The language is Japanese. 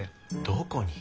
どこに？